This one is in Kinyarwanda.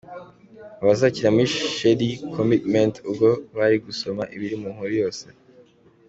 Abazakina muri Shady Commitment ubwo bari gusoma ibiri mu nkuru yose.